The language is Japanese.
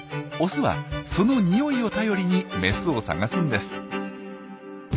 オスはそのにおいを頼りにメスを探すんです。